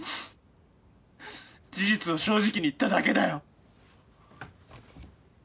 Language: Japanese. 事実を正直に言っただけだよ。